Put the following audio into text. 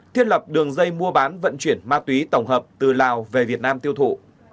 thiết lập đường dây mua bán vận chuyển ma túy tổng hợp từ lào về việt nam tiêu thụ